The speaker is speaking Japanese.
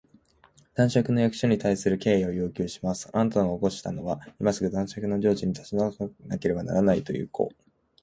「伯爵の役所に対する敬意を要求します！あなたを起こしたのは、今すぐ伯爵の領地を立ち退かなければならないのだ、ということをお知らせするためです」